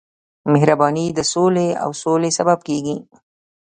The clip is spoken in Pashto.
مهرباني د سولې او سولې سبب کېږي.